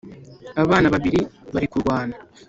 abana babiri bari kurwana